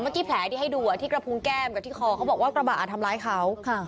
แผลที่ให้ดูที่กระพุงแก้มกับที่คอเขาบอกว่ากระบะทำร้ายเขา